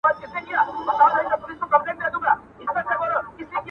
هغه چي ته يې په هغه دنيا له خدايه غوښتې